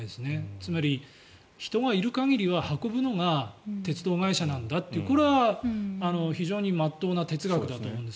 つまり、人がいる限りは運ぶのが鉄道会社なんだというこれは非常に真っ当な哲学だと思うんです。